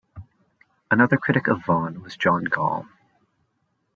Another critic of Vaughan was John Gaule.